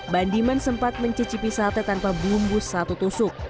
bandiman sempat mencicipi sate tanpa bumbu satu tusuk